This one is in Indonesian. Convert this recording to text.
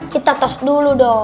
kita tos dulu dong